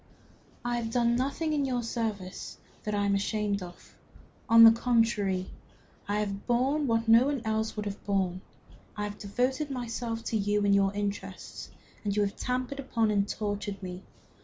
"I have done nothing in your service that I am ashamed of. On the contrary, I have borne what no one else would have borne. I have devoted myself to you and your interests, and you have trampled upon and tortured me.